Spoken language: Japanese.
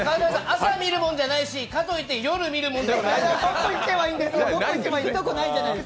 朝見るもんじゃないしかといって夜見るもんじゃない。